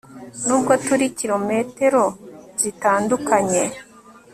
nubwo turi kilometero zitandukanye